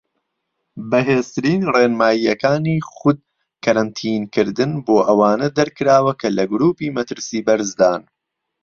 بەهێزترین ڕێنماییەکانی خود کەرەنتین کردن بۆ ئەوانە دەرکراوە کە لە گروپی مەترسی بەرزدان.